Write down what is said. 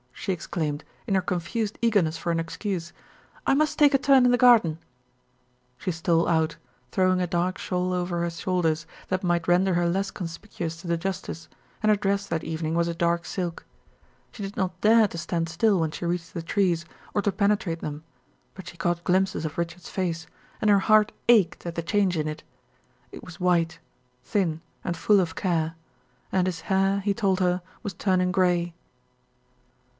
she exclaimed, in her confused eagerness for an excuse; "I must take a turn in the garden." She stole out, throwing a dark shawl over her shoulders, that might render her less conspicuous to the justice, and her dress that evening was a dark silk. She did not dare to stand still when she reached the trees, or to penetrate them, but she caught glimpses of Richard's face, and her heart ached at the change in it. It was white, thin, and full of care; and his hair, he told her, was turning gray.